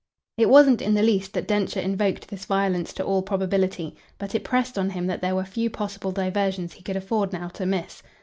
It wasn't in the least that Densher invoked this violence to all probability; but it pressed on him that there were few possible diversions he could afford now to miss.